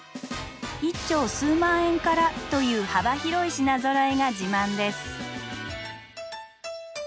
１丁数万円からという幅広い品ぞろえが自慢です。